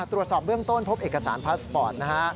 ตรวจสอบเบื้องต้นพบเอกสารพาสปอร์ตนะฮะ